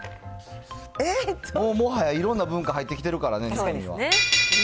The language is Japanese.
もはや、いろんな文化入ってきてるからね、日本には。